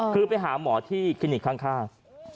คือไปหาหมอที่คลินิกข้าง